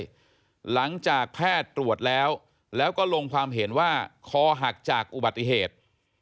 หลังจากแพทย์ตรวจแล้วแล้วก็ลงความเห็นว่าคอหักจากอุบัติเหตุ